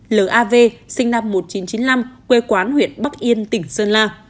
lav sinh năm một nghìn chín trăm chín mươi năm quê quán huyện bắc yên tỉnh sơn la